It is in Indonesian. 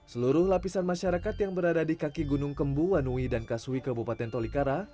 seluruh lapisan masyarakat yang berada di kaki gunung kembu wanui dan kasui kabupaten tolikara